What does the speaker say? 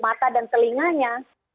mata dan telinganya